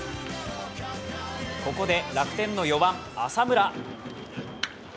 ここで楽天の４番・浅村。